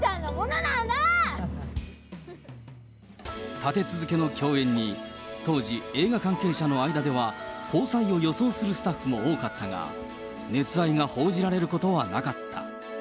立て続けの共演に、当時、映画関係者の間では、交際を予想するスタッフも多かったが、熱愛が報じられることはなかった。